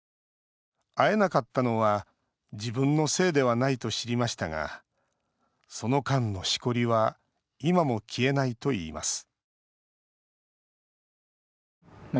会えなかったのは自分のせいではないと知りましたがその間のしこりは今も消えないといいます